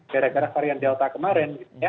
gara gara varian delta kemarin